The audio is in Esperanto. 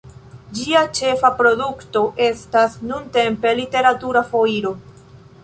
Ĝia ĉefa produkto estas nuntempe "Literatura Foiro".